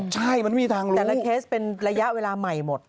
แต่แบบเคสเป็นระยะเวลาใหม่หมด